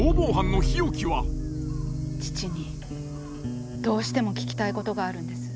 父にどうしても聞きたいことがあるんです。